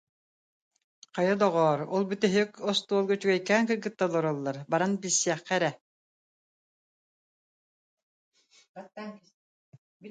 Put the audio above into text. Хайа, доҕоор, ол бүтэһик остуолга үчүгэйкээн кыргыттар олороллор, баран билсиэххэ эрэ